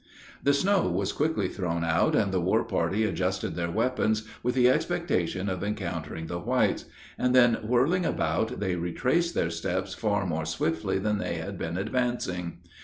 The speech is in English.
The snow was quickly thrown out, and the war party adjusted their weapons, with the expectation of encountering the whites; and then whirling about they retraced their steps far more swiftly than they had been advancing.